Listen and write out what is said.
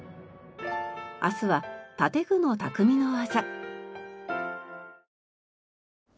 明日は建具の匠の技。